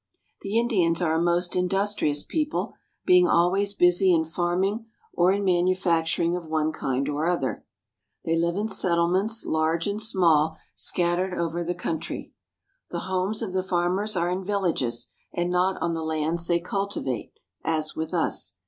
The Indians are a most industrious people, being always busy in farming or in manufacturing of one kind or other. They live in settlements, large and small, scattered over the country. The homes of the farmers are in villages, 248 THE CITIES OF INDIA and not on the lands they cultivate, as with us.